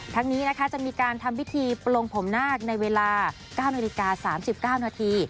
ทางนี้จะมีการทำพิธีปลงผมหน้าในเวลา๙นน้าที